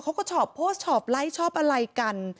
เขาก็ชอบโพสต์ชอบไลค์ชอบอะไรกัน